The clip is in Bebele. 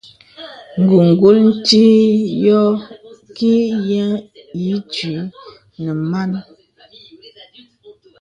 Ǹgùngùl nti yɔ ki yə̀ ǐ twi nə̀ man.